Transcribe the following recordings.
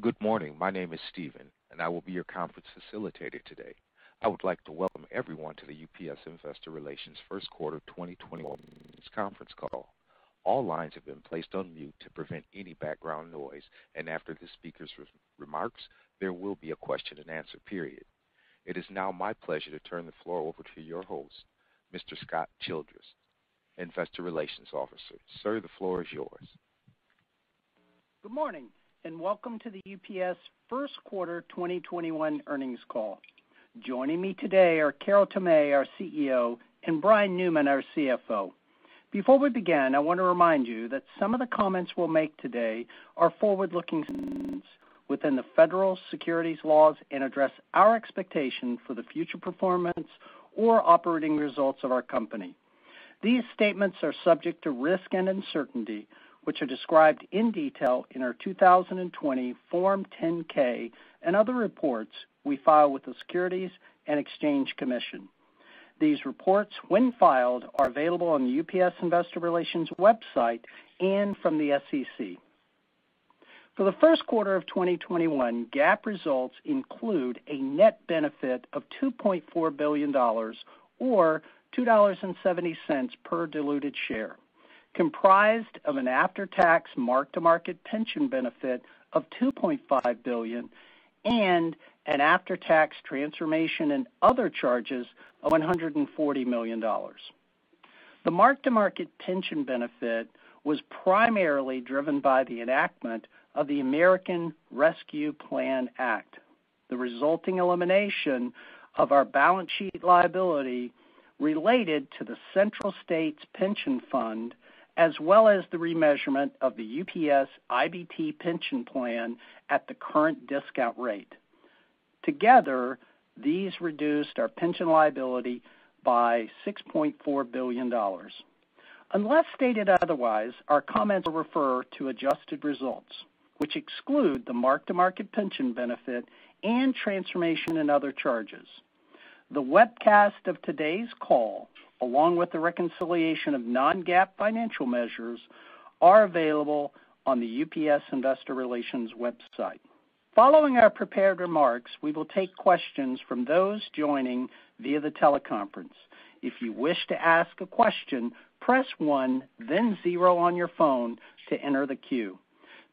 Good morning. My name is Steven and I will be your conference facilitator today. I would like to welcome everyone to the UPS Investor Relations first quarter 2021 earnings conference call. All lines have been placed on mute to prevent any background noise, and after the speakers' remarks, there will be a question and answer period. It is now my pleasure to turn the floor over to your host, Mr. Scott Childress, Investor Relations Officer. Sir, the floor is yours. Good morning and welcome to the UPS first quarter 2021 earnings call. Joining me today are Carol Tomé, our CEO, and Brian Newman, our CFO. Before we begin, I want to remind you that some of the comments we'll make today are forward-looking statements within the federal securities laws and address our expectation for the future performance or operating results of our company. These statements are subject to risk and uncertainty, which are described in detail in our 2020 Form 10-K and other reports we file with the Securities and Exchange Commission. These reports, when filed, are available on the UPS investor relations website and from the SEC. For the first quarter of 2021, GAAP results include a net benefit of $2.4 billion, or $2.70 per diluted share, comprised of an after-tax mark-to-market pension benefit of $2.5 billion and an after-tax transformation and other charges of $140 million. The mark-to-market pension benefit was primarily driven by the enactment of the American Rescue Plan Act, the resulting elimination of our balance sheet liability related to the Central States Pension Fund, as well as the remeasurement of the UPS IBT pension plan at the current discount rate. Together, these reduced our pension liability by $6.4 billion. Unless stated otherwise, our comments will refer to adjusted results, which exclude the mark-to-market pension benefit and transformation and other charges. The webcast of today's call, along with the reconciliation of non-GAAP financial measures, are available on the UPS investor relations website. Following our prepared remarks, we will take questions from those joining via the teleconference. If you wish to ask a question, press one, then zero on your phone to enter the queue.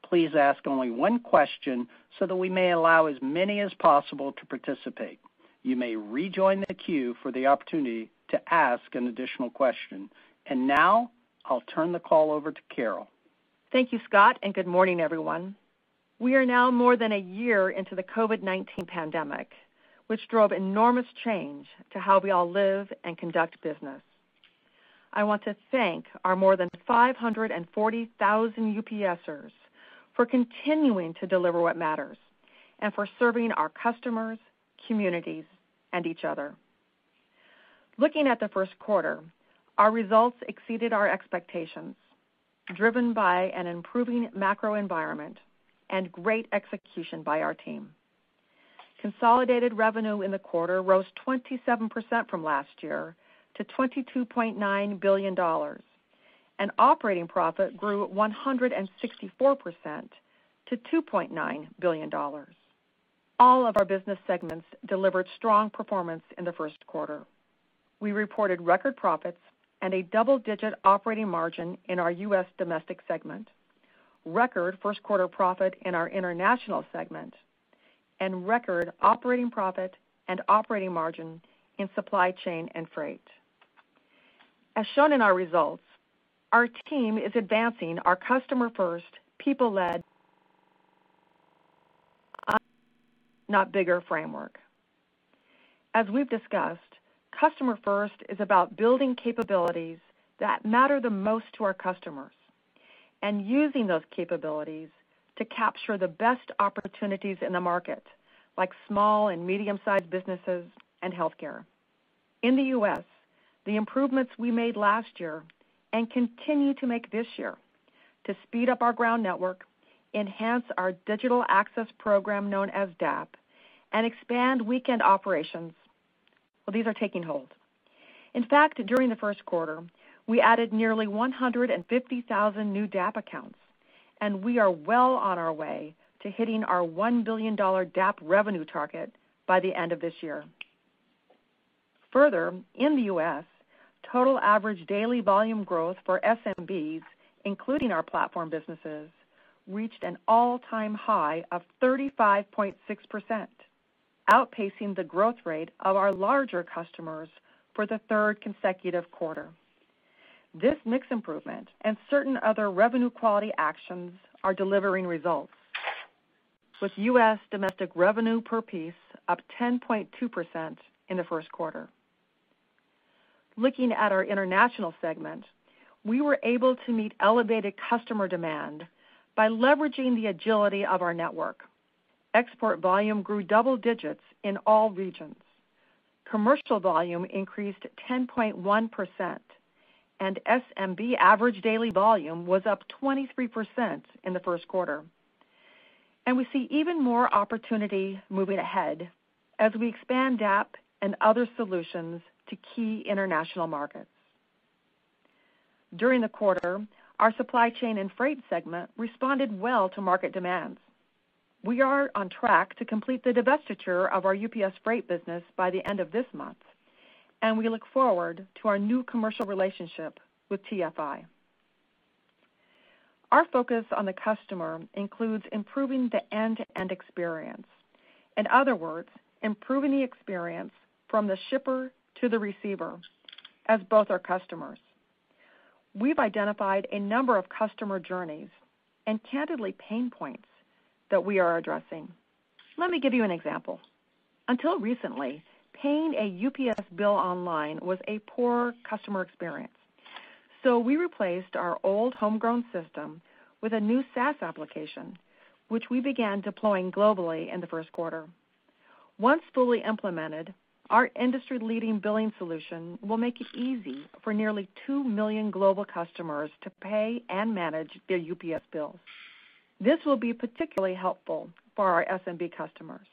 Please ask only one question so that we may allow as many as possible to participate. You may rejoin the queue for the opportunity to ask an additional question. Now I'll turn the call over to Carol. Thank you, Scott, and good morning, everyone. We are now more than a year into the COVID-19 pandemic, which drove enormous change to how we all live and conduct business. I want to thank our more than 540,000 UPSers for continuing to deliver what matters and for serving our customers, communities, and each other. Looking at the first quarter, our results exceeded our expectations, driven by an improving macro environment and great execution by our team. Consolidated revenue in the quarter rose 27% from last year to $22.9 billion, and operating profit grew 164% to $2.9 billion. All of our business segments delivered strong performance in the first quarter. We reported record profits and a double-digit operating margin in our U.S. domestic segment, record first quarter profit in our international segment, and record operating profit and operating margin in supply chain and freight. As shown in our results, our team is advancing our Customer First, People-Led, Not Bigger framework. As we've discussed, Customer First is about building capabilities that matter the most to our customers and using those capabilities to capture the best opportunities in the market, like small and medium-sized businesses and healthcare. In the U.S., the improvements we made last year, and continue to make this year, to speed up our ground network, enhance our Digital Access Program known as DAP, and expand weekend operations, well, these are taking hold. In fact, during the first quarter, we added nearly 150,000 new DAP accounts, and we are well on our way to hitting our $1 billion DAP revenue target by the end of this year. Further, in the U.S., total average daily volume growth for SMBs, including our platform businesses, reached an all-time high of 35.6%, outpacing the growth rate of our larger customers for the third consecutive quarter. This mix improvement and certain other revenue quality actions are delivering results, with U.S. domestic revenue per piece up 10.2% in the first quarter. Looking at our International segment, we were able to meet elevated customer demand by leveraging the agility of our network. Export volume grew double digits in all regions. Commercial volume increased 10.1%, and SMB average daily volume was up 23% in the first quarter. We see even more opportunity moving ahead as we expand DAP and other solutions to key international markets. During the quarter, our Supply Chain and Freight segment responded well to market demands. We are on track to complete the divestiture of our UPS Freight business by the end of this month, and we look forward to our new commercial relationship with TFI. Our focus on the customer includes improving the end-to-end experience. In other words, improving the experience from the shipper to the receiver as both our customers. We've identified a number of customer journeys and candidly pain points that we are addressing. Let me give you an example. Until recently, paying a UPS bill online was a poor customer experience. We replaced our old homegrown system with a new SaaS application, which we began deploying globally in the first quarter. Once fully implemented, our industry-leading billing solution will make it easy for nearly two million global customers to pay and manage their UPS bills. This will be particularly helpful for our SMB customers.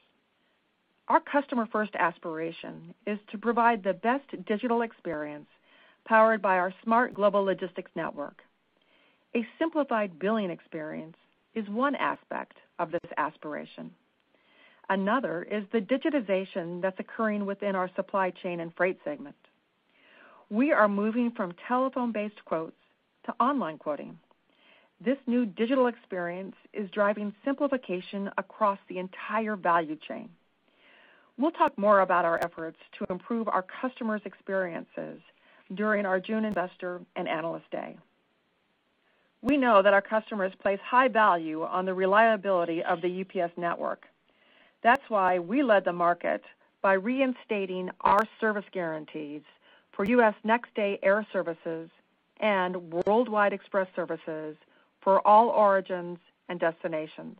Our customer-first aspiration is to provide the best digital experience powered by our smart global logistics network. A simplified billing experience is one aspect of this aspiration. The digitization that's occurring within our supply chain and freight segment. We are moving from telephone-based quotes to online quoting. This new digital experience is driving simplification across the entire value chain. We'll talk more about our efforts to improve our customers' experiences during our June Investor and Analyst Day. We know that our customers place high value on the reliability of the UPS network. That's why we led the market by reinstating our service guarantees for U.S. next day air services and worldwide express services for all origins and destinations.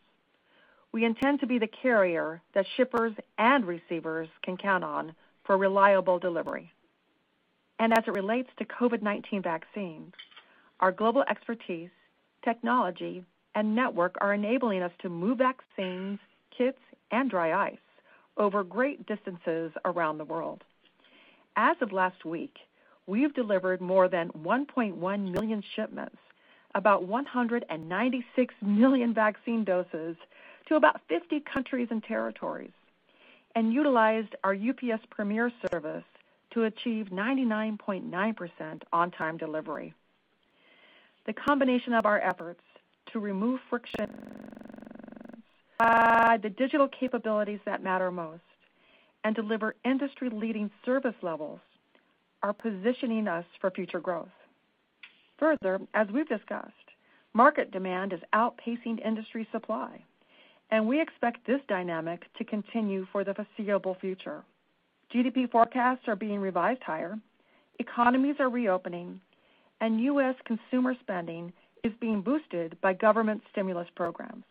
We intend to be the carrier that shippers and receivers can count on for reliable delivery. As it relates to COVID-19 vaccines, our global expertise, technology, and network are enabling us to move vaccines, kits, and dry ice over great distances around the world. As of last week, we've delivered more than 1.1 million shipments, about 196 million vaccine doses to about 50 countries and territories, and utilized our UPS Premier service to achieve 99.9% on-time delivery. The combination of our efforts to remove friction, the digital capabilities that matter most, and deliver industry-leading service levels are positioning us for future growth. Further, as we've discussed, market demand is outpacing industry supply, and we expect this dynamic to continue for the foreseeable future. GDP forecasts are being revised higher. Economies are reopening, and U.S. consumer spending is being boosted by government stimulus programs.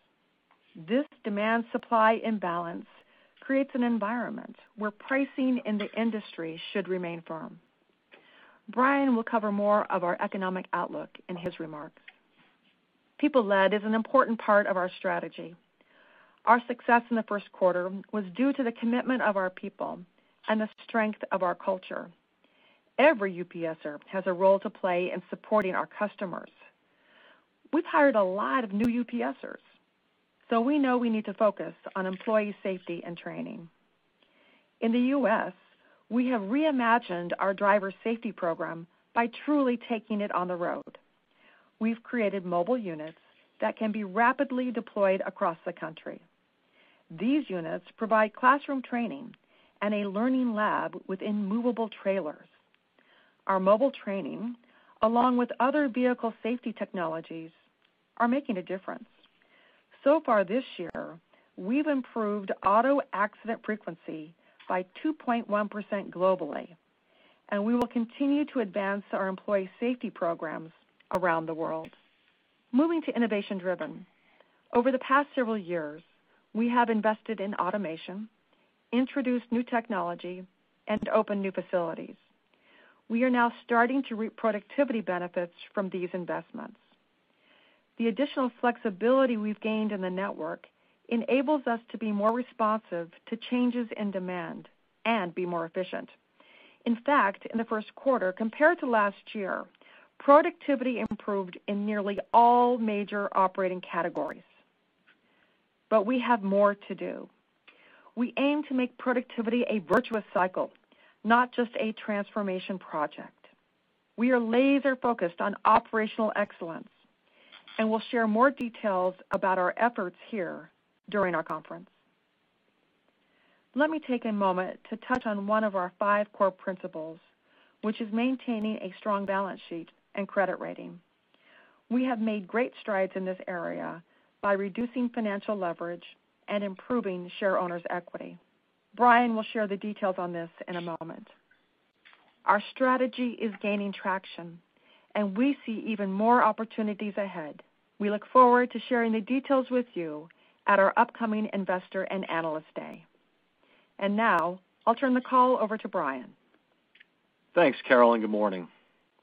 This demand supply imbalance creates an environment where pricing in the industry should remain firm. Brian will cover more of our economic outlook in his remarks. People-Led is an important part of our strategy. Our success in the first quarter was due to the commitment of our people and the strength of our culture. Every UPSer has a role to play in supporting our customers. We've hired a lot of new UPSers, we know we need to focus on employee safety and training. In the U.S., we have reimagined our driver safety program by truly taking it on the road. We've created mobile units that can be rapidly deployed across the country. These units provide classroom training and a learning lab within movable trailers. Our mobile training, along with other vehicle safety technologies, are making a difference. Far this year, we've improved auto accident frequency by 2.1% globally, and we will continue to advance our employee safety programs around the world. Moving to innovation driven. Over the past several years, we have invested in automation, introduced new technology, and opened new facilities. We are now starting to reap productivity benefits from these investments. The additional flexibility we've gained in the network enables us to be more responsive to changes in demand and be more efficient. In fact, in the first quarter, compared to last year, productivity improved in nearly all major operating categories. We have more to do. We aim to make productivity a virtuous cycle, not just a transformation project. We are laser-focused on operational excellence, and we'll share more details about our efforts here during our conference. Let me take a moment to touch on one of our five core principles, which is maintaining a strong balance sheet and credit rating. We have made great strides in this area by reducing financial leverage and improving share owners' equity. Brian will share the details on this in a moment. Our strategy is gaining traction, and we see even more opportunities ahead. We look forward to sharing the details with you at our upcoming Investor and Analyst Day. Now I'll turn the call over to Brian. Thanks, Carol. Good morning.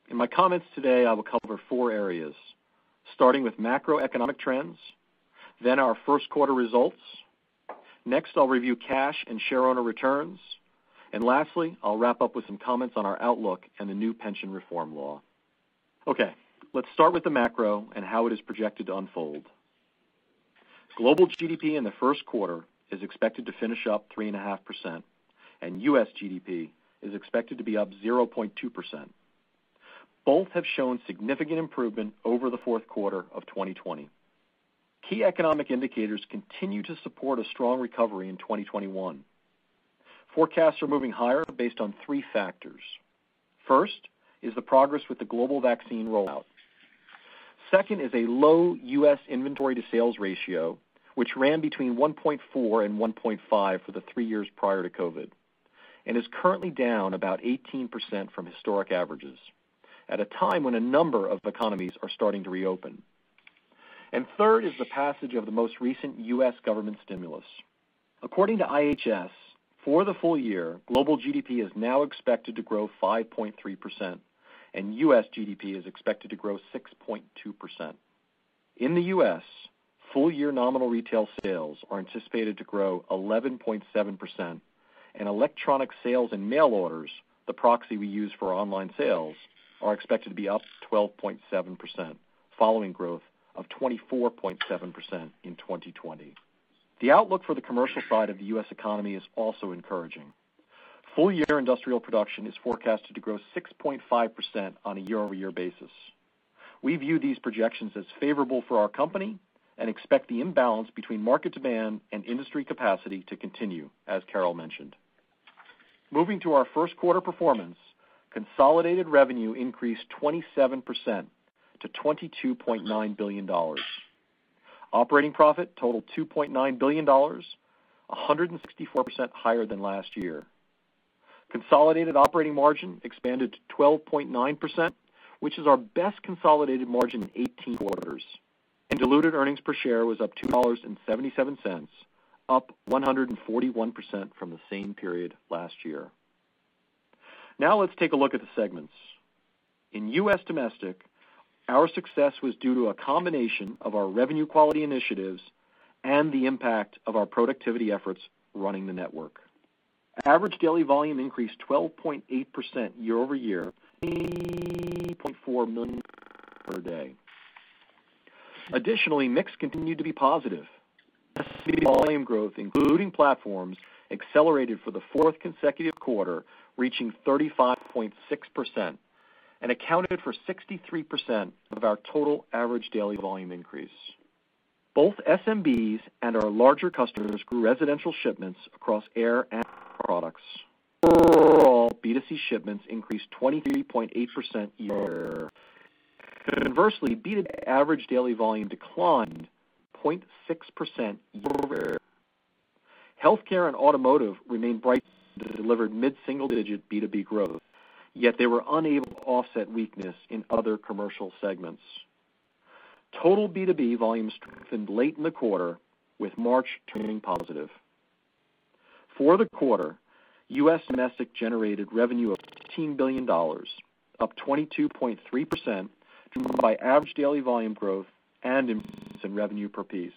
In my comments today, I will cover four areas, starting with macroeconomic trends, then our first quarter results. Next, I'll review cash and share owner returns, and lastly, I'll wrap up with some comments on our outlook and the new pension reform law. Okay, let's start with the macro and how it is projected to unfold. Global GDP in the first quarter is expected to finish up 3.5%, and U.S. GDP is expected to be up 0.2%. Both have shown significant improvement over the fourth quarter of 2020. Key economic indicators continue to support a strong recovery in 2021. Forecasts are moving higher based on three factors. First is the progress with the global vaccine rollout. Second is a low U.S. inventory to sales ratio, which ran between 1.4 and 1.5 for the three years prior to COVID-19 and is currently down about 18% from historic averages at a time when a number of economies are starting to reopen. Third is the passage of the most recent U.S. government stimulus. According to IHS, for the full year, global GDP is now expected to grow 5.3%, and U.S. GDP is expected to grow 6.2%. In the U.S., full year nominal retail sales are anticipated to grow 11.7%, and electronic sales and mail orders, the proxy we use for online sales, are expected to be up 12.7%, following growth of 24.7% in 2020. The outlook for the commercial side of the U.S. economy is also encouraging. Full year industrial production is forecasted to grow 6.5% on a year-over-year basis. We view these projections as favorable for our company and expect the imbalance between market demand and industry capacity to continue, as Carol mentioned. Moving to our first quarter performance, consolidated revenue increased 27% to $22.9 billion. Operating profit totaled $2.9 billion, 164% higher than last year. Consolidated operating margin expanded to 12.9%, which is our best consolidated margin in 18 quarters. Diluted earnings per share was up to $2.77, up 141% from the same period last year. Now let's take a look at the segments. In U.S. Domestic, our success was due to a combination of our revenue quality initiatives and the impact of our productivity efforts running the network. Average daily volume increased 12.8% year-over-year to 18.4 million per day. Additionally, mix continued to be positive. Volume growth, including platforms, accelerated for the fourth consecutive quarter, reaching 35.6% and accounted for 63% of our total average daily volume increase. Both SMBs and our larger customers grew residential shipments across air and products. B2C shipments increased 23.8% year-over-year. Conversely, B2B average daily volume declined 0.6% year-over-year. Healthcare and automotive remained bright, delivered mid-single digit B2B growth, yet they were unable to offset weakness in other commercial segments. Total B2B volume strengthened late in the quarter, with March turning positive. For the quarter, U.S. domestic generated revenue of $15 billion, up 22.3%, driven by average daily volume growth and increases in revenue per piece.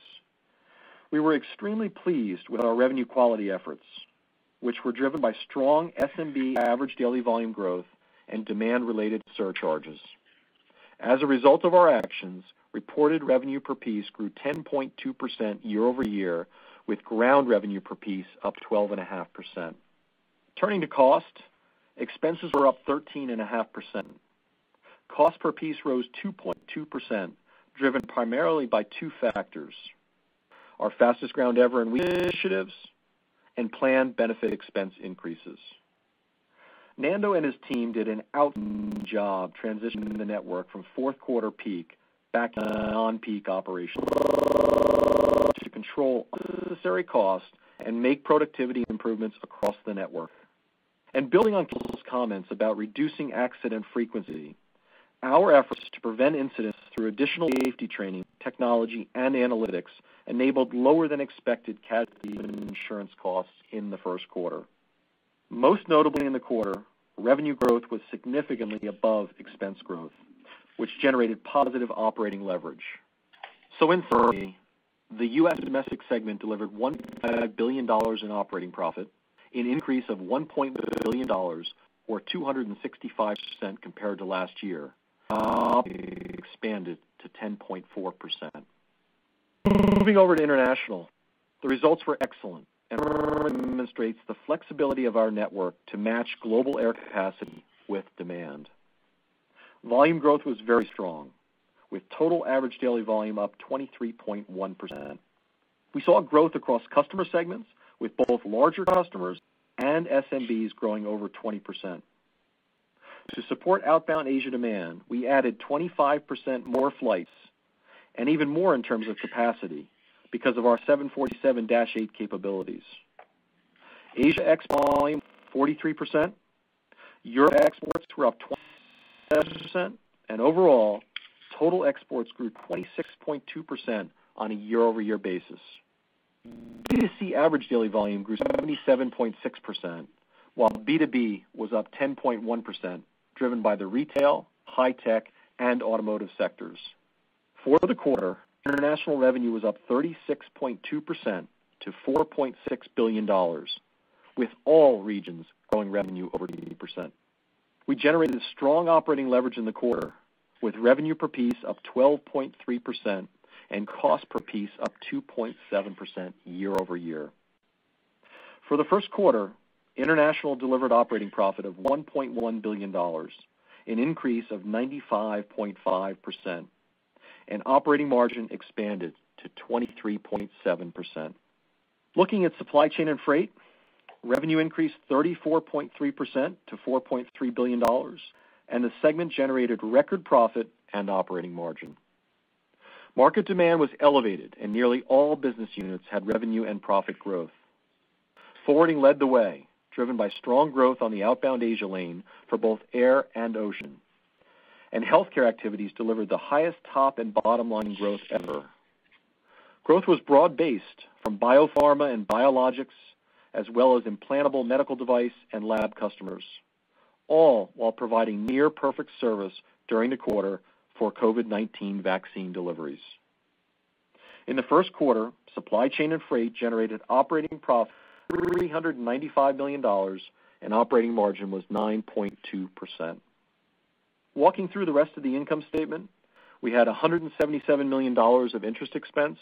We were extremely pleased with our revenue quality efforts, which were driven by strong SMB average daily volume growth and demand-related surcharges. As a result of our actions, reported revenue per piece grew 10.2% year-over-year, with ground revenue per piece up 12.5%. Turning to cost, expenses were up 13.5%. Cost per piece rose 2.2%, driven primarily by two factors: Our Fastest Ground Ever initiatives and planned benefit expense increases. Nando and his team did an outstanding job transitioning the network from fourth quarter peak back to non-peak operations to control unnecessary costs and make productivity improvements across the network. Building on Carol's comments about reducing accident frequency, our efforts to prevent incidents through additional safety training, technology, and analytics enabled lower than expected casualty and insurance costs in the first quarter. Most notably in the quarter, revenue growth was significantly above expense growth, which generated positive operating leverage. In summary, the U.S. Domestic segment delivered $1.5 billion in operating profit, an increase of $1.3 billion, or 265% compared to last year. Expanded to 10.4%. Moving over to International, the results were excellent and demonstrates the flexibility of our network to match global air capacity with demand. Volume growth was very strong, with total average daily volume up 23.1%. We saw growth across customer segments with both larger customers and SMBs growing over 20%. To support outbound Asia demand, we added 25% more flights and even more in terms of capacity because of our 747-8 capabilities. Asia exports volume 43%. Europe exports were up 27.7% and overall, total exports grew 26.2% on a year-over-year basis. B2C average daily volume grew 77.6%, while B2B was up 10.1%, driven by the retail, high tech, and automotive sectors. For the quarter, international revenue was up 36.2% to $4.6 billion, with all regions growing revenue over 80%. We generated strong operating leverage in the quarter, with revenue per piece up 12.3% and cost per piece up 2.7% year-over-year. For the first quarter, international delivered operating profit of $1.1 billion, an increase of 95.5%, and operating margin expanded to 23.7%. Looking at supply chain and freight, revenue increased 34.3% to $4.3 billion, and the segment generated record profit and operating margin. Market demand was elevated and nearly all business units had revenue and profit growth. Forwarding led the way, driven by strong growth on the outbound Asia lane for both air and ocean. Healthcare activities delivered the highest top and bottom line growth ever. Growth was broad-based from biopharma and biologics, as well as implantable medical device and lab customers, all while providing near perfect service during the quarter for COVID-19 vaccine deliveries. In the first quarter, supply chain and freight generated operating profit, $395 million, and operating margin was 9.2%. Walking through the rest of the income statement, we had $177 million of interest expense.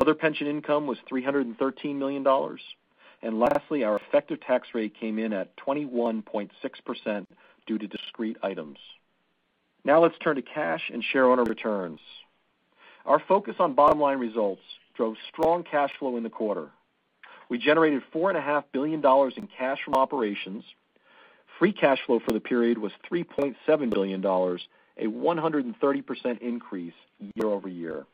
Other pension income was $313 million. Lastly, our effective tax rate came in at 21.6% due to discrete items. Now let's turn to cash and shareowner returns. Our focus on bottom-line results drove strong cash flow in the quarter. We generated $4.5 billion in cash from operations. Free cash flow for the period was $3.7 billion, a 130% increase year-over-year.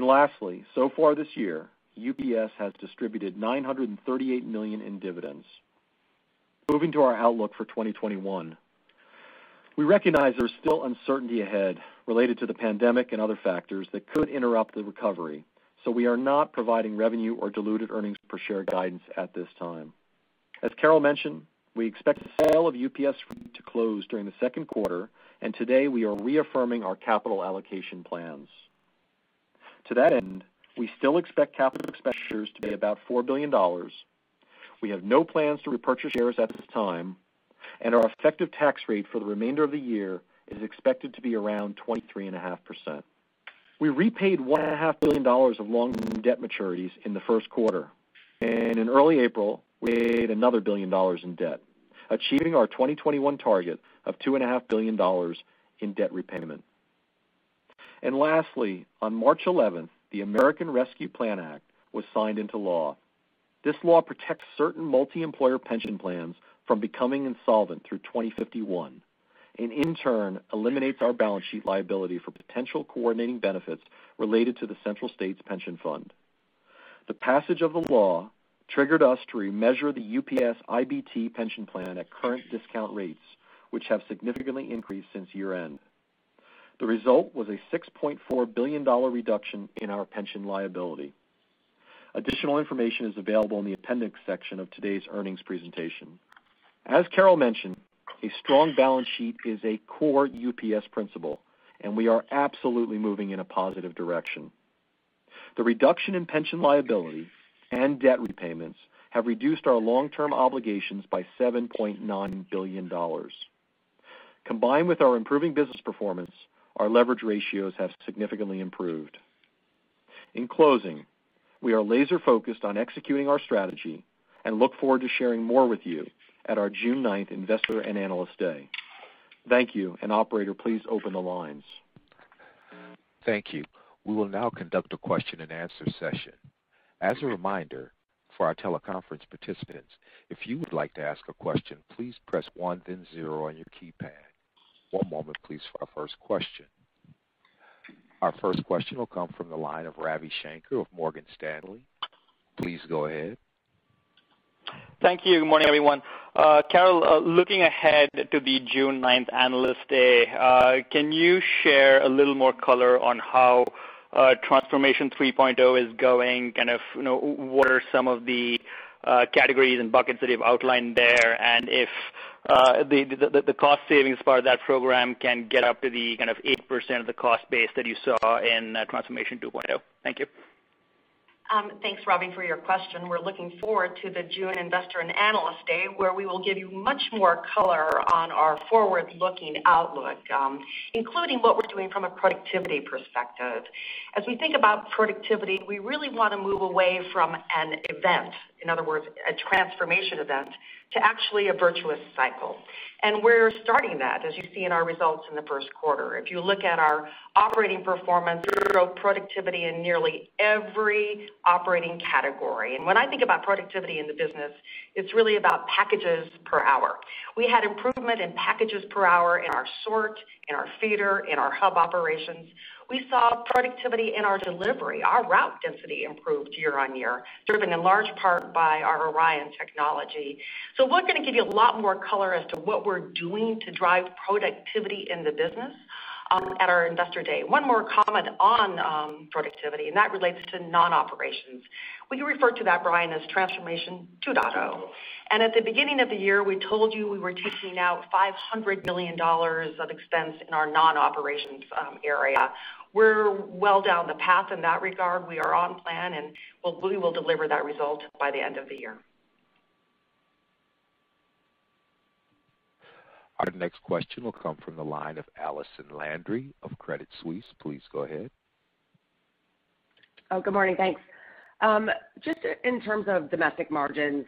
Lastly, so far this year, UPS has distributed $938 million in dividends. Moving to our outlook for 2021. We recognize there is still uncertainty ahead related to the pandemic and other factors that could interrupt the recovery, so we are not providing revenue or diluted earnings per share guidance at this time. As Carol mentioned, we expect the sale of UPS freight to close during the second quarter, and today we are reaffirming our capital allocation plans. To that end, we still expect capital expenditures to be about $4 billion. We have no plans to repurchase shares at this time, and our effective tax rate for the remainder of the year is expected to be around 23.5%. We repaid $1.5 billion of long-term debt maturities in the first quarter. In early April, we made another $1 billion in debt, achieving our 2021 target of $2.5 billion in debt repayment. Lastly, on March 11th, the American Rescue Plan Act was signed into law. This law protects certain multi-employer pension plans from becoming insolvent through 2051, and in turn eliminates our balance sheet liability for potential coordinating benefits related to the Central States Pension Fund. The passage of the law triggered us to remeasure the UPS IBT pension plan at current discount rates, which have significantly increased since year-end. The result was a $6.4 billion reduction in our pension liability. Additional information is available in the appendix section of today's earnings presentation. As Carol mentioned, a strong balance sheet is a core UPS principle, and we are absolutely moving in a positive direction. The reduction in pension liability and debt repayments have reduced our long-term obligations by $7.9 billion. Combined with our improving business performance, our leverage ratios have significantly improved. In closing, we are laser-focused on executing our strategy and look forward to sharing more with you at our June 9th Investor and Analyst Day. Thank you. Operator, please open the lines. Thank you. We will now conduct a question and answer session. Our first question will come from the line of Ravi Shanker of Morgan Stanley. Please go ahead. Thank you. Good morning, everyone. Carol, looking ahead to the June 9th Analyst Day, can you share a little more color on how Transformation 3.0 is going? What are some of the categories and buckets that you've outlined there? If the cost savings part of that program can get up to the 80% of the cost base that you saw in Transformation 2.0. Thank you. Thanks, Ravi, for your question. We're looking forward to the June Investor and Analyst Day, where we will give you much more color on our forward-looking outlook, including what we're doing from a productivity perspective. As we think about productivity, we really want to move away from an event, in other words, a transformation event, to actually a virtuous cycle. We're starting that, as you see in our results in the first quarter. If you look at our operating performance productivity in nearly every operating category. When I think about productivity in the business, it's really about packages per hour. We had improvement in packages per hour in our sort, in our feeder, in our hub operations. We saw productivity in our delivery. Our route density improved year-on-year, driven in large part by our ORION technology. We're going to give you a lot more color as to what we're doing to drive productivity in the business at our Investor Day. One more comment on productivity, and that relates to non-operations. We refer to that, Brian, as Transformation 2.0. At the beginning of the year, we told you we were taking out $500 million of expense in our non-operations area. We're well down the path in that regard. We are on plan, and we will deliver that result by the end of the year. Our next question will come from the line of Allison Landry of Credit Suisse. Please go ahead. Oh, good morning. Thanks. Just in terms of domestic margins,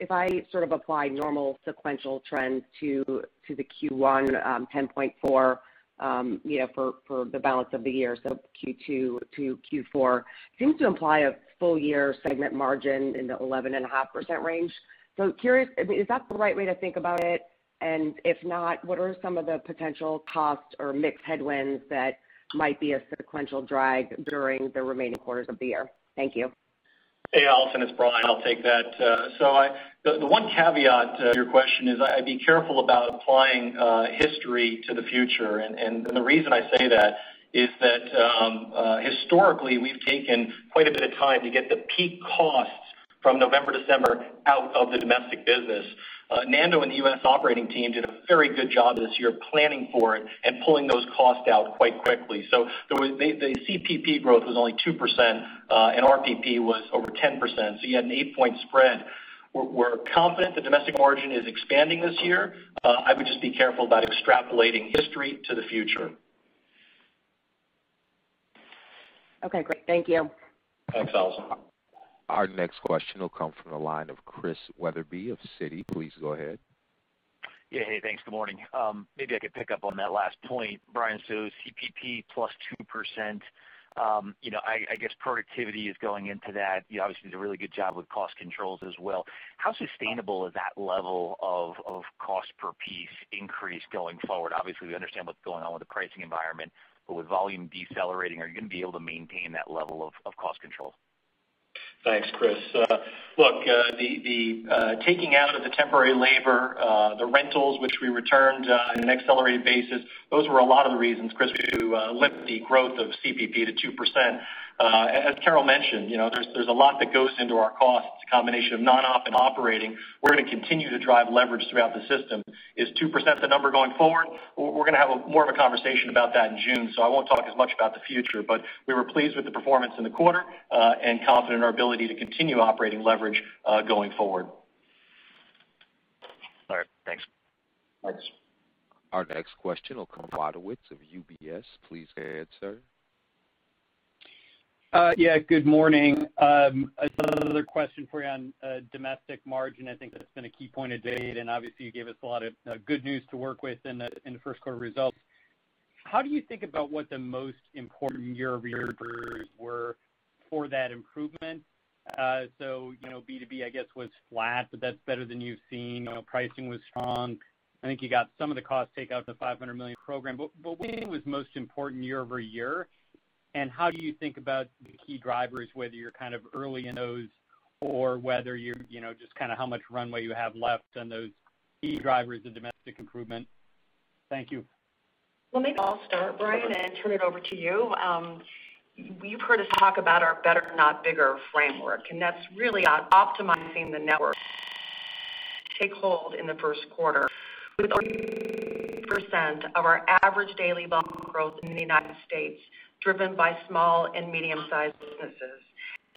if I sort of apply normal sequential trends to the Q1 10.4% for the balance of the year, so Q2-Q4, seems to imply a full-year segment margin in the 11.5% range. Curious, is that the right way to think about it? If not, what are some of the potential costs or mix headwinds that might be a sequential drag during the remaining quarters of the year? Thank you. Hey, Allison, it's Brian. I'll take that. The one caveat to your question is I'd be careful about applying history to the future. The reason I say that is that historically, we've taken quite a bit of time to get the peak costs from November, December out of the domestic business. Nando and the U.S. operating team did a very good job this year planning for it and pulling those costs out quite quickly. The CPP growth was only 2%, and RPP was over 10%, so you had an eight-point spread. We're confident the domestic margin is expanding this year. I would just be careful about extrapolating history to the future. Okay, great. Thank you. Thanks, Allison. Our next question will come from the line of Chris Wetherbee of Citi. Please go ahead. Yeah. Hey, thanks. Good morning. Maybe I could pick up on that last point, Brian. CPP plus 2%. I guess productivity is going into that. You obviously did a really good job with cost controls as well. How sustainable is that level of cost per piece increase going forward? Obviously, we understand what's going on with the pricing environment, but with volume decelerating, are you going to be able to maintain that level of cost control? Thanks, Chris. Look, the taking out of the temporary labor, the rentals which we returned on an accelerated basis, those were a lot of the reasons, Chris, we were able to limit the growth of CPP to 2%. As Carol mentioned, there's a lot that goes into our costs. It's a combination of non-op and operating. We're going to continue to drive leverage throughout the system. Is 2% the number going forward? We're going to have more of a conversation about that in June, so I won't talk as much about the future, but we were pleased with the performance in the quarter, and confident in our ability to continue operating leverage going forward. All right. Thanks. Thanks. Our next question will come from Tom Wadewitz of UBS. Please go ahead, sir. Yeah, good morning. Another question for you on domestic margin. I think that's been a key point of debate, and obviously you gave us a lot of good news to work with in the first quarter results. How do you think about what the most important year-over-year were for that improvement? B2B, I guess, was flat, but that's better than you've seen. Pricing was strong. I think you got some of the cost takeout in the $500 million program. What do you think was most important year-over-year? How do you think about the key drivers, whether you're kind of early in those or whether you're just kind of how much runway you have left on those key drivers of domestic improvement? Thank you. Maybe I'll start, Brian, and turn it over to you. You've heard us talk about our better, not bigger framework, and that's really about optimizing the network. Take hold in the first quarter with over 63% of our average daily volume growth in the United States driven by small and medium-sized businesses.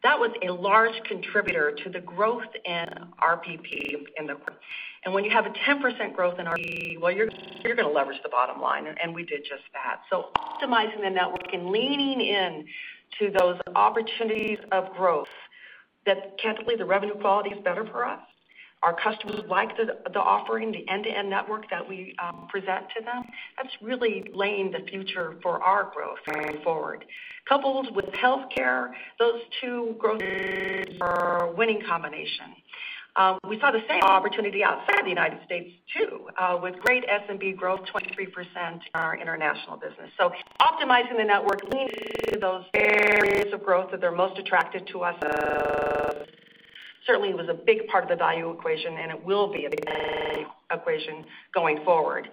That was a large contributor to the growth in RPP in the quarter. When you have a 10% growth in RPP, well, you're going to leverage the bottom line, and we did just that. Optimizing the network and leaning into those opportunities of growth, that mechanically, the revenue quality is better for us. Our customers like the offering, the end-to-end network that we present to them. That's really laying the future for our growth going forward. Coupled with healthcare, those two growth areas are a winning combination. We saw the same opportunity outside the United States, too, with great SMB growth, 23% in our international business. Optimizing the network, leaning into those areas of growth that they're most attracted to us, certainly was a big part of the value equation, and it will be a big value equation going forward.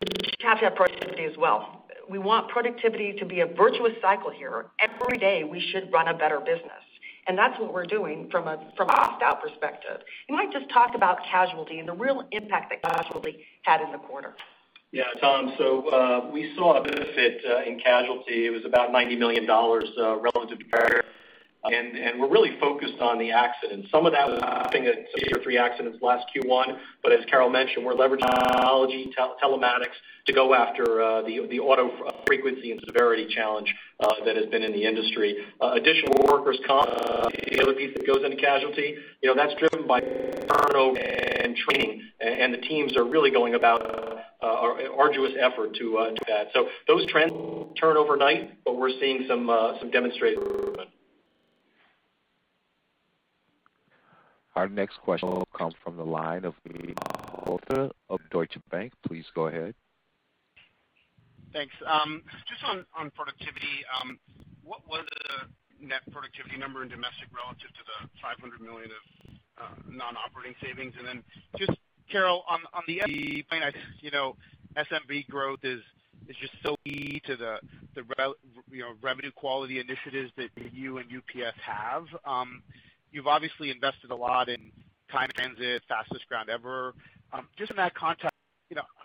We have to have productivity as well. We want productivity to be a virtuous cycle here. Every day, we should run a better business, and that's what we're doing from an cost-out perspective. You might just talk about casualty and the real impact that casualty had in the quarter. Tom, we saw a benefit in casualty. It was about $90 million relative to prior, and we're really focused on the accidents. Some of that was happening at two or three accidents last Q1. As Carol mentioned, we're leveraging technology, telematics, to go after the auto frequency and severity challenge that has been in the industry. Additional workers' comp, the other piece that goes into casualty, that's driven by turnover and training, and the teams are really going about our arduous effort to that. Those trends don't turn overnight, but we're seeing some demonstrated improvement. Our next question will come from the line of Amit Mehrotra of Deutsche Bank. Please go ahead. Thanks. Just on productivity activity number in domestic relative to the $500 million of non-operating savings. Just, Carol Tomé, on the SMB plan, I think, SMB growth is just so key to the revenue quality initiatives that you and UPS have. You've obviously invested a lot in time transit, Fastest Ground Ever. Just in that context,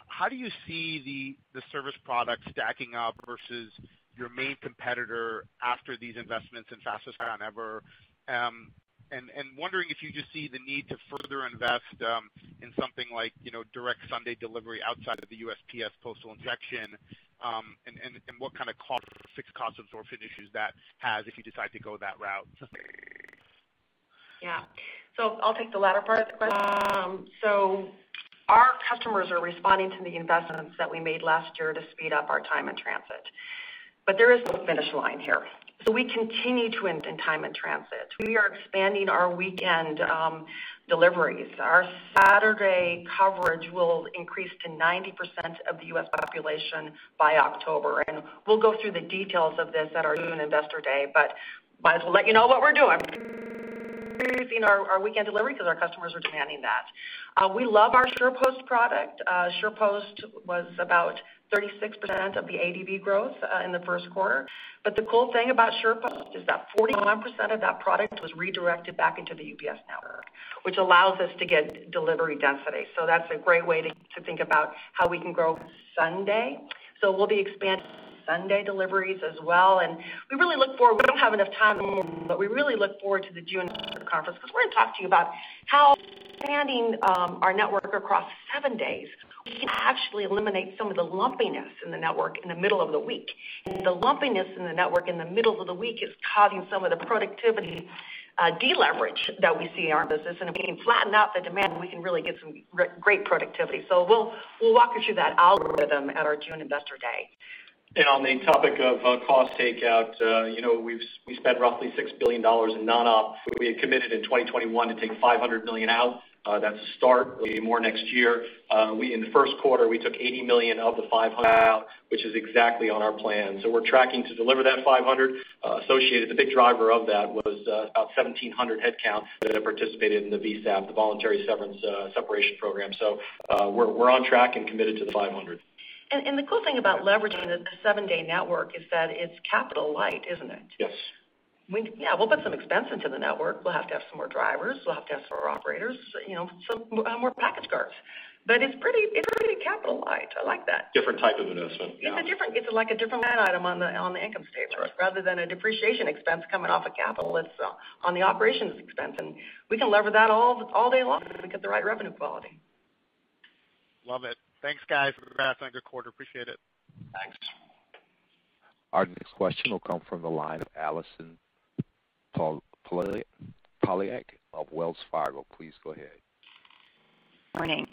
how do you see the service product stacking up versus your main competitor after these investments in Fastest Ground Ever? Wondering if you just see the need to further invest in something like direct Sunday delivery outside of the USPS postal injection, and what kind of fixed cost absorption issues that has if you decide to go that route? Yeah. I'll take the latter part of the question. Our customers are responding to the investments that we made last year to speed up our time in transit. There is no finish line here. We continue to invest in time and transit. We are expanding our weekend deliveries. Our Saturday coverage will increase to 90% of the U.S. population by October, and we'll go through the details of this at our June Investor Day. Might as well let you know what we're doing. We're increasing our weekend delivery because our customers are demanding that. We love our SurePost product. SurePost was about 36% of the ADB growth in the first quarter. The cool thing about SurePost is that 41% of that product was redirected back into the UPS network, which allows us to get delivery density. That's a great way to think about how we can grow Sunday. We'll be expanding Sunday deliveries as well. We don't have enough time, but we really look forward to the June investor conference because we're going to talk to you about how expanding our network across seven days, we can actually eliminate some of the lumpiness in the network in the middle of the week. The lumpiness in the network in the middle of the week is causing some of the productivity deleverage that we see in our business. If we can flatten out the demand, we can really get some great productivity. We'll walk you through that algorithm at our June Investor Day. On the topic of cost takeout, we spent roughly $6 billion in non-op. We had committed in 2021 to take $500 million out. That's a start. We'll do more next year. In the first quarter, we took $80 million of the $500 million out, which is exactly on our plan. We're tracking to deliver that $500 million associated. The big driver of that was about 1,700 headcounts that have participated in the VSAP, the voluntary severance separation program. We're on track and committed to the $500 million. The cool thing about leveraging the seven day network is that it's capital light, isn't it? Yes. Yeah. We'll put some expense into the network. We'll have to have some more drivers. We'll have to have some more operators, some more package cars. It's pretty capital light. I like that. Different type of investment. Yeah. It's like a different line item on the income statement. Sure. Rather than a depreciation expense coming off of capital, it's on the operations expense, and we can lever that all day long if we get the right revenue quality. Love it. Thanks, guys. Congrats on a good quarter. Appreciate it. Thanks. Our next question will come from the line of Allison Poliniak of Wells Fargo. Please go ahead. Morning.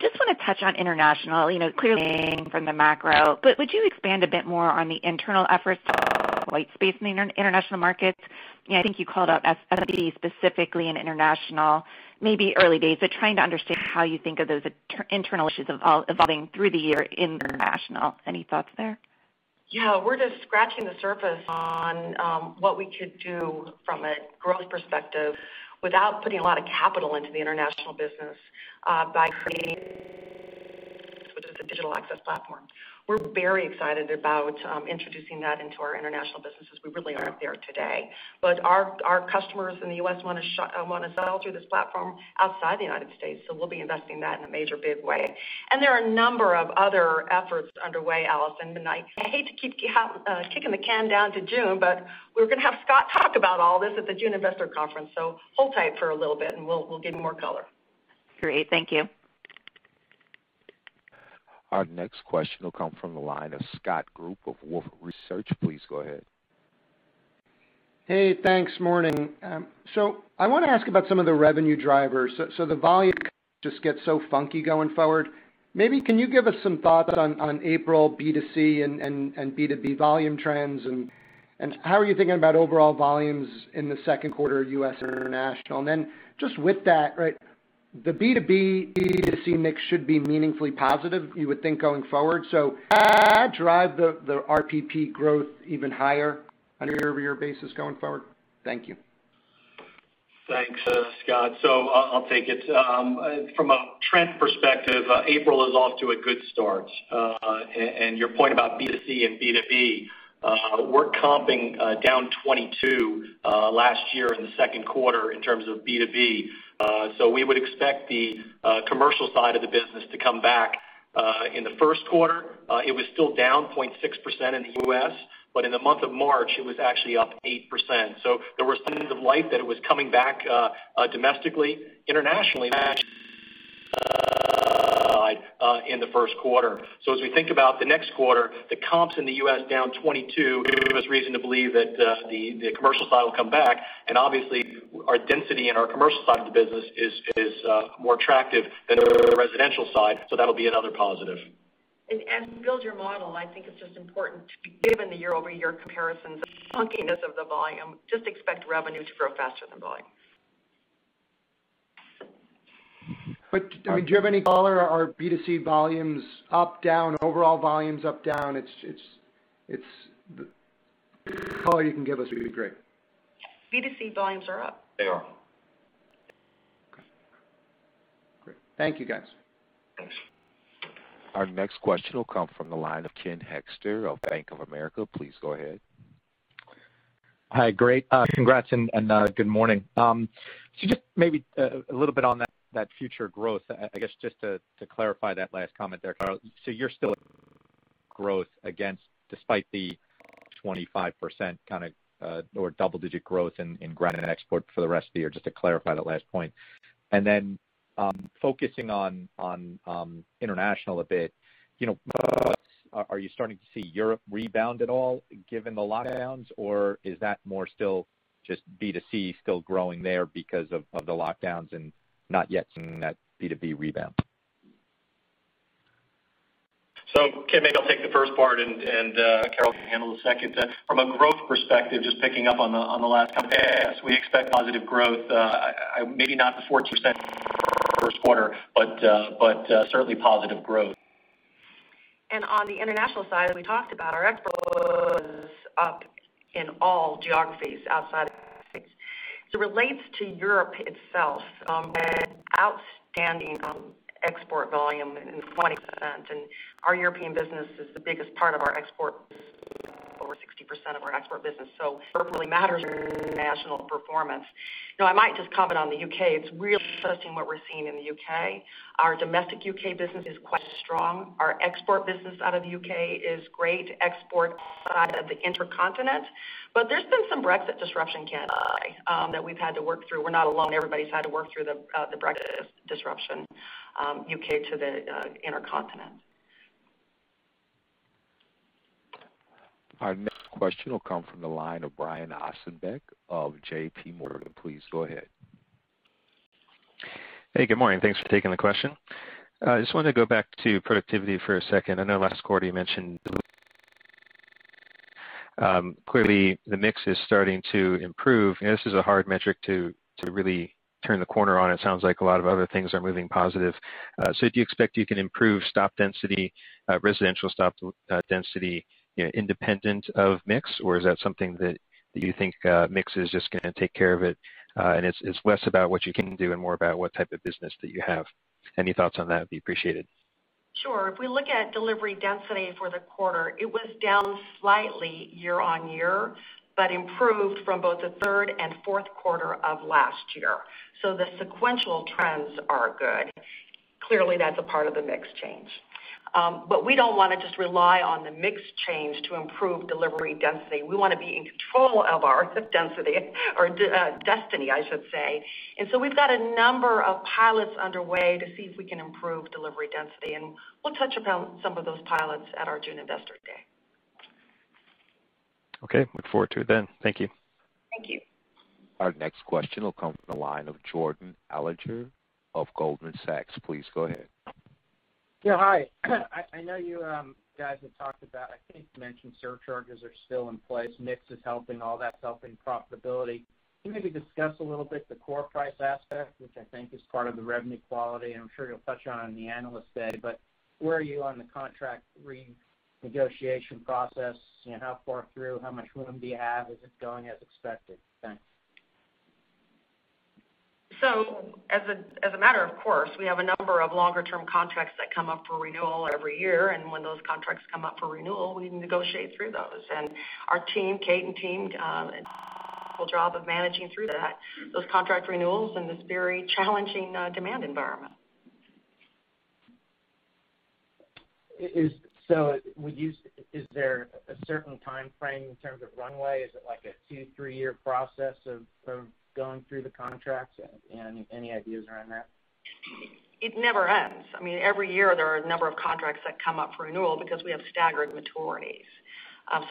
Just want to touch on international. Clearly from the macro, would you expand a bit more on the internal efforts to find white space in the international markets? I think you called out SMB specifically in international, maybe early days, but trying to understand how you think of those internal issues evolving through the year in international. Any thoughts there? Yeah. We're just scratching the surface on what we could do from a growth perspective without putting a lot of capital into the international business by creating, which is a Digital Access Program. We're very excited about introducing that into our international businesses. We really aren't there today. Our customers in the U.S. want to sell through this platform outside the United States. We'll be investing that in a major, big way. There are a number of other efforts underway, Allison, and I hate to keep kicking the can down to June, but we're going to have Scott talk about all this at the June Investor Conference. Hold tight for a little bit and we'll give you more color. Great. Thank you. Our next question will come from the line of Scott Group of Wolfe Research. Please go ahead. Hey, thanks. Morning. I want to ask about some of the revenue drivers. The volume just gets so funky going forward. Maybe can you give us some thoughts on April B2C and B2B volume trends, and how are you thinking about overall volumes in the second quarter, U.S. or international? Just with that, the B2B to C mix should be meaningfully positive, you would think, going forward. Will that drive the RPP growth even higher on a year-over-year basis going forward? Thank you. Thanks, Scott. I'll take it. From a trend perspective, April is off to a good start. Your point about B2C and B2B, we're comping down 22 last year in the second quarter in terms of B2B. We would expect the commercial side of the business to come back. In the first quarter, it was still down 0.6% in the U.S., but in the month of March, it was actually up 8%. There were signs of light that it was coming back domestically. Internationally, in the first quarter. As we think about the next quarter, the comps in the U.S. down 22 give us reason to believe that the commercial side will come back. Obviously, our density in our commercial side of the business is more attractive than the residential side. That'll be another positive. As you build your model, I think it's just important to, given the year-over-year comparisons and funkiness of the volume, just expect revenue to grow faster than volume. Do you have any color? Are B2C volumes up, down, overall volumes up, down? Any color you can give us would be great. B2C volumes are up. They are. Okay, great. Thank you, guys. Thanks. Our next question will come from the line of Ken Hoexter of Bank of America. Please go ahead. Hi. Great. Congrats, and good morning. Just maybe a little bit on that future growth. I guess just to clarify that last comment there, Carol, you're still growth against, despite the 25% or double-digit growth in ground and export for the rest of the year, just to clarify that last point. Then focusing on international a bit, are you starting to see Europe rebound at all given the lockdowns, or is that more still just B2C still growing there because of the lockdowns and not yet seeing that B2B rebound? Ken, maybe I'll take the first part, and Carol can handle the second. From a growth perspective, just picking up on the last comment, yes, we expect positive growth. Maybe not the 14% first quarter, certainly positive growth. On the international side, as we talked about, our export up in all geographies outside of the U.S. As it relates to Europe itself, we had outstanding export volume in the 20%, and our European business is the biggest part of our export business, over 60% of our export business. Europe really matters in international performance. Now I might just comment on the U.K. It's really interesting what we're seeing in the U.K. Our domestic U.K. business is quite strong. Our export business out of the U.K. is great. Export outside of the intra-continent. There's been some Brexit disruption, Ken, lately that we've had to work through. We're not alone. Everybody's had to work through the Brexit disruption, U.K. to the intra-continent. Our next question will come from the line of Brian Ossenbeck of JPMorgan. Please go ahead. Hey, good morning. Thanks for taking the question. I just wanted to go back to productivity for a second. I know last quarter you mentioned. Clearly, the mix is starting to improve. I know this is a hard metric to really turn the corner on. It sounds like a lot of other things are moving positive. Do you expect you can improve stop density, residential stop density, independent of mix? Is that something that you think mix is just going to take care of it, and it's less about what you can do and more about what type of business that you have? Any thoughts on that would be appreciated. Sure. If we look at delivery density for the quarter, it was down slightly year-over-year, but improved from both the third and fourth quarter of last year. The sequential trends are good. Clearly, that's a part of the mix change. We don't want to just rely on the mix change to improve delivery density. We want to be in control of our density or destiny, I should say. We've got a number of pilots underway to see if we can improve delivery density, and we'll touch upon some of those pilots at our June Investor Day. Okay, look forward to it then. Thank you. Thank you. Our next question will come from the line of Jordan Alliger of Goldman Sachs. Please go ahead. Yeah. Hi. I know you guys have talked about, I think you mentioned surcharges are still in place. Mix is helping, all that's helping profitability. Can you maybe discuss a little bit the core price aspect, which I think is part of the revenue quality, and I'm sure you'll touch on in the Analyst Day, but where are you on the contract renegotiation process? How far through? How much room do you have? Is it going as expected? Thanks. As a matter of course, we have a number of longer-term contracts that come up for renewal every year, and when those contracts come up for renewal, we negotiate through those. Our team, Kate and team, job of managing through that, those contract renewals in this very challenging demand environment. Is there a certain time frame in terms of runway? Is it like a two, three-year process of going through the contracts? Any ideas around that? It never ends. Every year there are a number of contracts that come up for renewal because we have staggered maturities.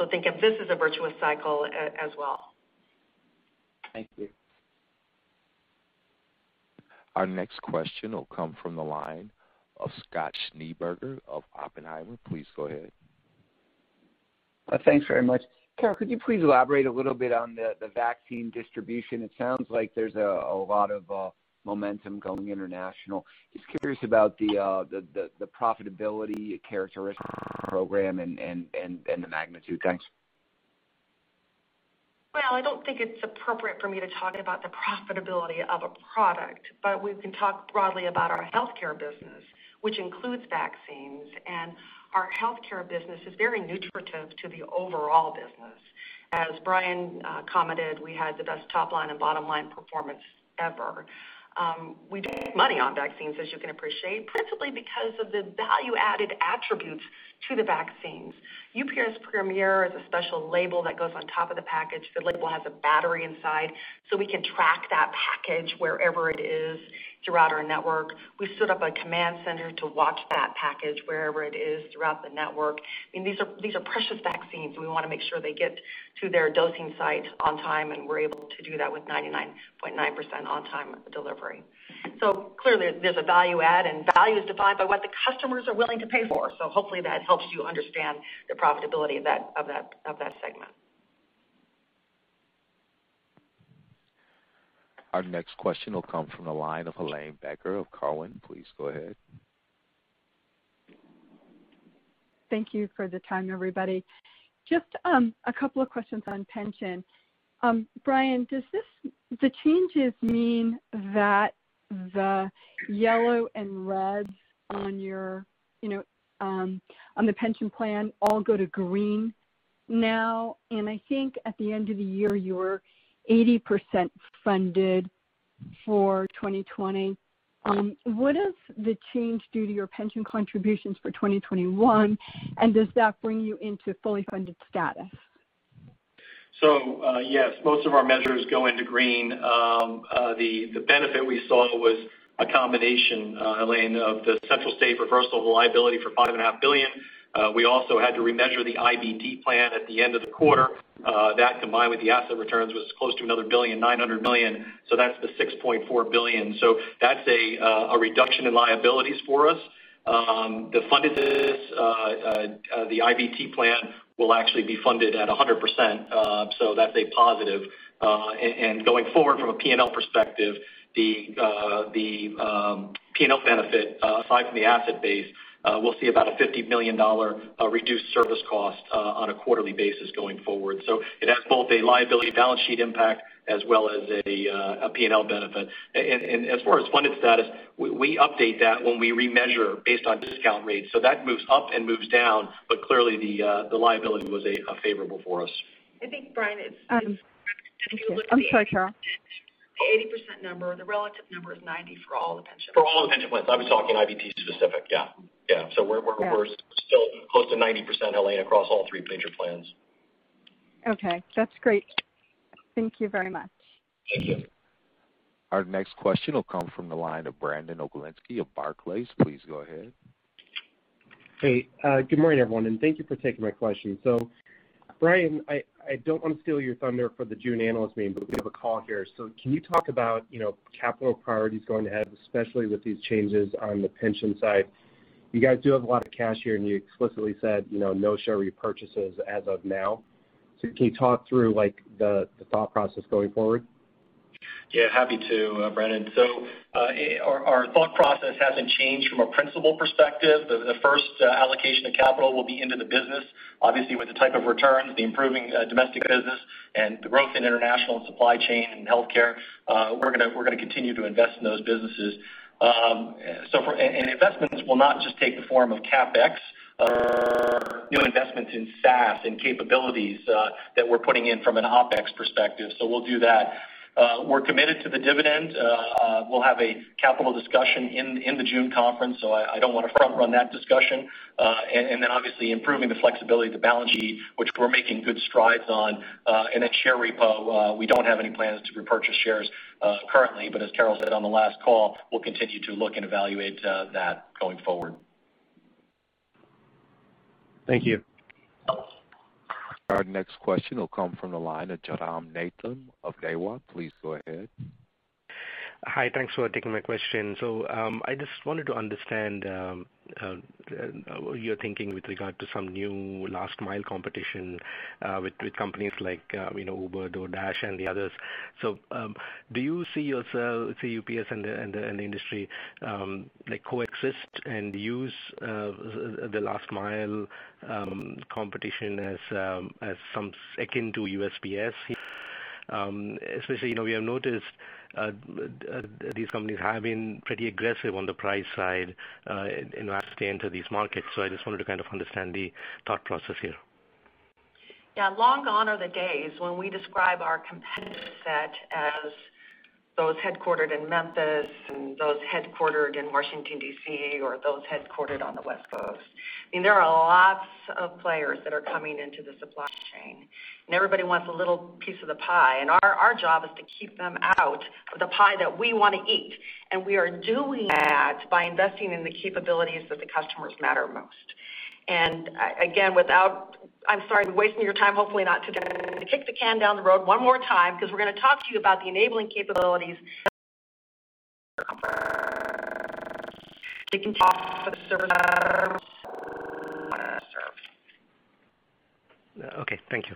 Think of this as a virtuous cycle as well. Thank you. Our next question will come from the line of Scott Schneeberger of Oppenheimer. Please go ahead. Thanks very much. Carol, could you please elaborate a little bit on the vaccine distribution? It sounds like there's a lot of momentum going international. Just curious about the profitability characteristics of the program and the magnitude. Thanks. Well, I don't think it's appropriate for me to talk about the profitability of a product, but we can talk broadly about our healthcare business, which includes vaccines, and our healthcare business is very nutritive to the overall business. As Brian commented, we had the best top-line and bottom-line performance ever. We do make money on vaccines, as you can appreciate, principally because of the value-added attributes to the vaccines. UPS Premier is a special label that goes on top of the package. The label has a battery inside, so we can track that package wherever it is throughout our network. We stood up a command center to watch that package wherever it is throughout the network. These are precious vaccines, and we want to make sure they get to their dosing site on time, and we're able to do that with 99.9% on-time delivery. Clearly, there's a value add, and value is defined by what the customers are willing to pay for. Hopefully that helps you understand the profitability of that segment. Our next question will come from the line of Helane Becker of Cowen. Please go ahead. Thank you for the time, everybody. Just a couple of questions on pension. Brian, does the changes mean that the yellow and reds on the pension plan all go to green now? I think at the end of the year, you were 80% funded for 2020. What is the change due to your pension contributions for 2021, and does that bring you into fully funded status? Yes, most of our measures go into green. The benefit we saw was a combination, Helane, of the Central States reversal of liability for $5.5 billion. We also had to remeasure the IBT plan at the end of the quarter. That, combined with the asset returns, was close to another $1 billion, $900 million. That's the $6.4 billion. That's a reduction in liabilities for us. The IBT plan will actually be funded at 100%, that's a positive. Going forward, from a P&L perspective, the P&L benefit, aside from the asset base, we'll see about a $50 million reduced service cost on a quarterly basis going forward. It has both a liability balance sheet impact as well as a P&L benefit. As far as funded status, we update that when we remeasure based on discount rates. That moves up and moves down, but clearly the liability was a favorable for us. I think Brian. I'm sorry, Carol. The 80% number, the relative number is 90 for all the pension plans. For all the pension plans. I was talking IBT specific. Yeah. We're still close to 90%, Helane, across all three major plans. Okay, that's great. Thank you very much. Thank you. Our next question will come from the line of Brandon Oglenski of Barclays. Please go ahead. Hey, good morning, everyone, and thank you for taking my question. Brian, I don't want to steal your thunder for the June Analyst Meeting, but we have a call here. Can you talk about capital priorities going ahead, especially with these changes on the pension side? You guys do have a lot of cash here, and you explicitly said no share repurchases as of now. Can you talk through the thought process going forward? Yeah, happy to, Brandon. Our thought process hasn't changed from a principal perspective. The first allocation of capital will be into the business. Obviously, with the type of returns, the improving domestic business, and the growth in international and supply chain and healthcare, we're going to continue to invest in those businesses. Investments will not just take the form of CapEx, new investments in SaaS and capabilities that we're putting in from an OpEx perspective. We'll do that. We're committed to the dividend. We'll have a capital discussion in the June conference, so I don't want to front-run that discussion. Obviously improving the flexibility of the balance sheet, which we're making good strides on. Share repo, we don't have any plans to repurchase shares currently, but as Carol said on the last call, we'll continue to look and evaluate that going forward. Thank you. Our next question will come from the line of Jairam Nathan of Daiwa. Please go ahead. Hi, thanks for taking my question. I just wanted to understand your thinking with regard to some new last mile competition with companies like Uber, DoorDash, and the others. Do you see UPS and the industry coexist and use the last mile competition as some second to USPS? Especially, we have noticed these companies have been pretty aggressive on the price side as they enter these markets. I just wanted to kind of understand the thought process here. Yeah. Long gone are the days when we describe our competitive set as those headquartered in Memphis and those headquartered in Washington, D.C., or those headquartered on the West Coast. There are lots of players that are coming into the supply chain, and everybody wants a little piece of the pie, and our job is to keep them out of the pie that we want to eat. We are doing that by investing in the capabilities that the customers matter most. Again, I'm sorry I'm wasting your time, hopefully not today, to kick the can down the road one more time because we're going to talk to you about the enabling capabilities. Okay. Thank you.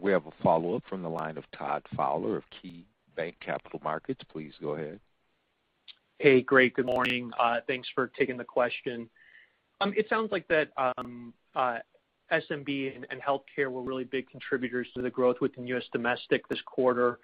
We have a follow-up from the line of Todd Fowler of KeyBanc Capital Markets. Please go ahead. Hey, great. Good morning. Thanks for taking the question. It sounds like that SMB and healthcare were really big contributors to the growth within U.S. Domestic this quarter.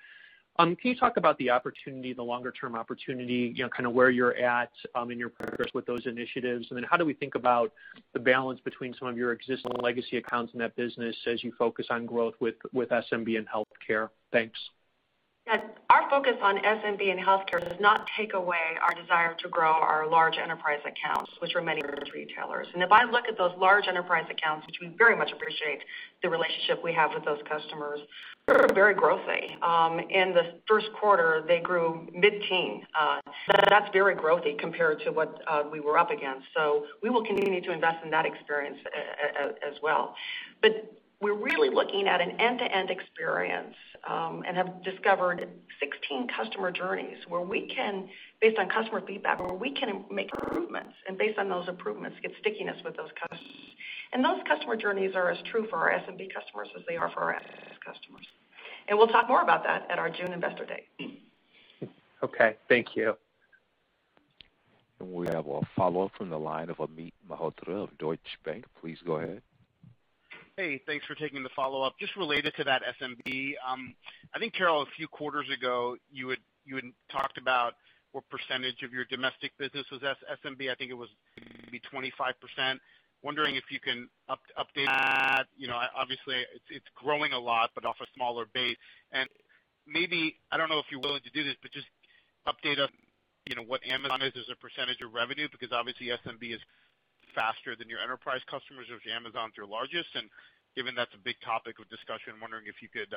Can you talk about the opportunity, the longer-term opportunity, kind of where you're at in your progress with those initiatives? How do we think about the balance between some of your existing legacy accounts in that business as you focus on growth with SMB and healthcare? Thanks. Yes. Our focus on SMB and healthcare does not take away our desire to grow our large enterprise accounts, which are many retailers. If I look at those large enterprise accounts, which we very much appreciate the relationship we have with those customers, they're very growthy. In the first quarter, they grew mid-teen. That's very growthy compared to what we were up against. We will continue to invest in that experience as well. We're really looking at an end-to-end experience, and have discovered 16 customer journeys where we can, based on customer feedback, where we can make improvements, and based on those improvements, get stickiness with those customers. Those customer journeys are as true for our SMB customers as they are for our customers. We'll talk more about that at our June investor date. Okay, thank you. We have a follow-up from the line of Amit Mehrotra of Deutsche Bank. Please go ahead. Hey, thanks for taking the follow-up. Just related to that SMB, I think, Carol, a few quarters ago, you had talked about what percentage of your domestic business was SMB. I think it was maybe 25%. Wondering if you can update that. Obviously it's growing a lot, but off a smaller base. Maybe, I don't know if you're willing to do this, but just update us what Amazon is as a percentage of revenue, because obviously SMB is faster than your enterprise customers if Amazon is your largest. Given that's a big topic of discussion, I'm wondering if you could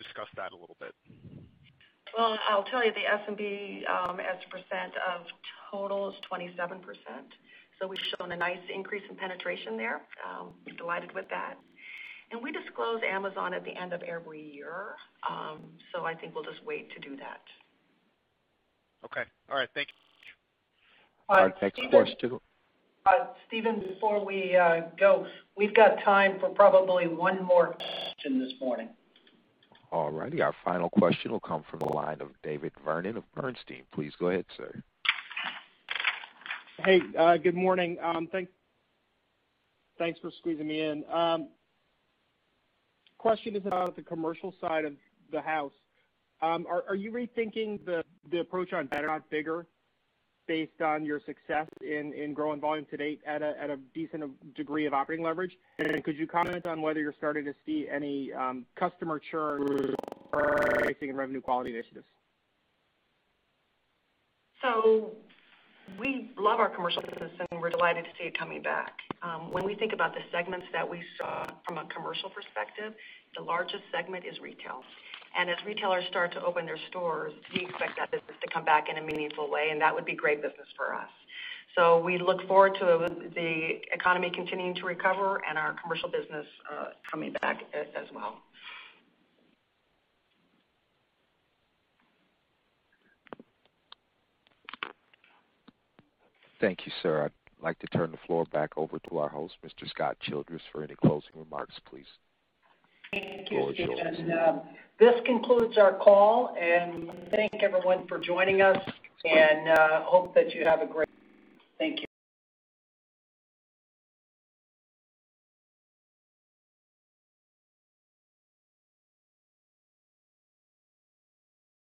discuss that a little bit. Well, I'll tell you, the SMB as a percent of total is 27%. We've shown a nice increase in penetration there. Delighted with that. We disclose Amazon at the end of every year. I think we'll just wait to do that. Okay. All right. Thank you. All right. Thanks. Steven, before we go, we've got time for probably one more question this morning. All righty. Our final question will come from the line of David Vernon of Bernstein. Please go ahead, sir. Hey, good morning. Thanks for squeezing me in. Question is about the commercial side of the house. Are you rethinking the approach on better, not bigger based on your success in growing volume to date at a decent degree of operating leverage? Could you comment on whether you're starting to see any customer churn or anything in revenue quality initiatives? We love our commercial business, and we're delighted to see it coming back. When we think about the segments that we saw from a commercial perspective, the largest segment is retail. As retailers start to open their stores, we expect that business to come back in a meaningful way, and that would be great business for us. We look forward to the economy continuing to recover and our commercial business coming back as well. Thank you, sir. I'd like to turn the floor back over to our host, Mr. Scott Childress, for any closing remarks, please. Thank you, Steven. This concludes our call, and thank everyone for joining us and hope that you have a great week. Thank you.